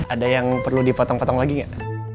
ada yang perlu dipotong potong lagi nggak